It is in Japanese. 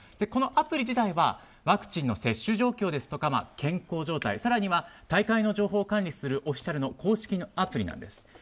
このアプリ自体はワクチンの接種状況ですとか健康状態、更には大会の情報を管理するオフィシャルのアプリなんです。